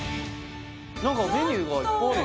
何かメニューがいっぱいあるよ